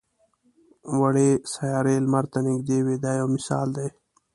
وړې سیارې لمر ته نږدې وي دا یو مثال دی.